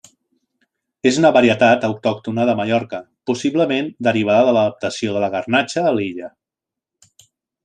És una varietat autòctona de Mallorca, possiblement derivada de l'adaptació de la garnatxa a l'illa.